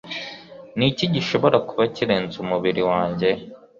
Niki gishobora kuba kirenze umubiri wanjye.